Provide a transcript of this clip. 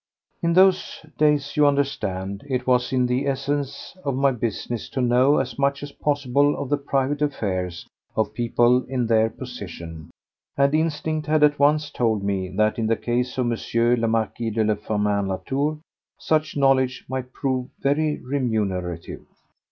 In those days, you understand, it was in the essence of my business to know as much as possible of the private affairs of people in their position, and instinct had at once told me that in the case of M. le Marquis de Firmin Latour such knowledge might prove very remunerative.